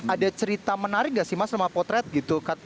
ada cerita menarik gak sih mas sama potret gitu